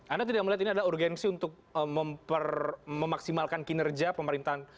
anda tidak melihat ini adalah urgensi untuk memaksimalkan kinerja pemerintahan